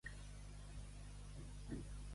La tisi es cura bevent sang de bou negre.